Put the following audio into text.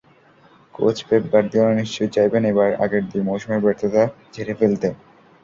Coach Pep Guardiola নিশ্চয় চাইবেন এবার আগের দুই মৌসুমের ব্যর্থতা ঝেড়ে ফেলতে।